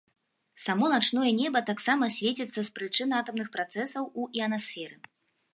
Само начное неба таксама свеціцца з прычын атамных працэсаў у іанасферы.